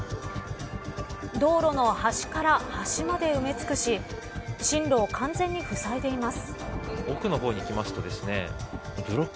道路の端から端まで埋め尽くし進路を完全にふさいでいます。